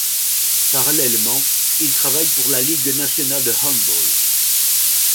Parallèlement, il travaille pour la Ligue nationale de handball.